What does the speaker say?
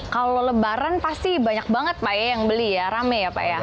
kalau lebaran pasti banyak banget pak ya yang beli ya rame ya pak ya